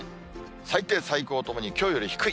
最低、最高ともにきょうより低い。